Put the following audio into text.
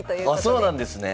あっそうなんですね。